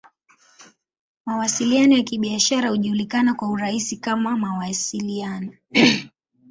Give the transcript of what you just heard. Mawasiliano ya Kibiashara hujulikana kwa urahisi kama "Mawasiliano.